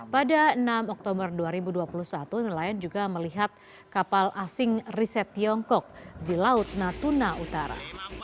pada enam oktober dua ribu dua puluh satu nelayan juga melihat kapal asing riset tiongkok di laut natuna utara